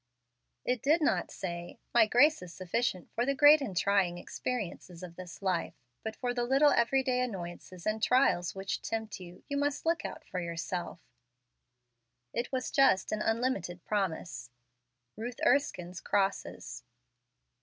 It did not say: " My grace is sufficient for the great and trying experiences of this life, but for the little every day annoyances and trials w T hich tempt you — you must look out for yourself. 5 ' It was just an unlimited promise. Ruth Erskine's Crosses.